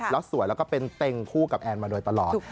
แล้วสวยแล้วก็เป็นเต็งคู่กับแอนมาโดยตลอด